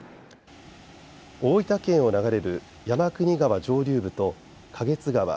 大分県を流れる山国川上流部と花月川